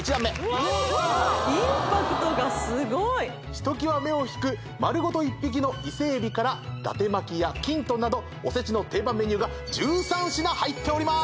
すごいインパクトがすごいひときわ目を引く丸ごと１匹のイセエビから伊達巻やきんとんなどおせちの定番メニューが１３品入っております